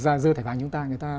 tức là dơ thẻ vàng cho chúng ta